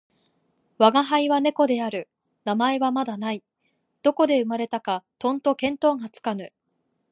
吾輩は猫である。名前はまだない。どこで生れたかとんと見当がつかぬ。